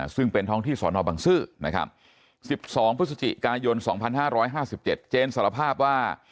ซึ่งเป็นท้องที่สอนอบังซื้อนะครับ๑๒พฤศจิกายน๒๕๕๗เจนสารภาพว่า